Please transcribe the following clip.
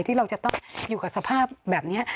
ที่เราจะต้องอยู่กับสภาพแบบนี้